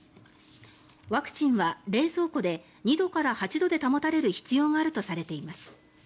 ワクチンは冷蔵庫で２度から８度で保たれる必要があるとされています。